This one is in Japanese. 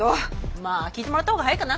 まあ聞いてもらったほうが早いかな。